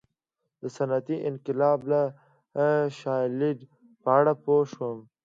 د صنعتي انقلاب د شالید په اړه پوه شو.